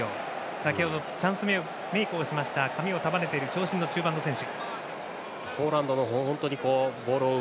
先ほどチャンスメイクした髪を束ねている長身の中盤の選手。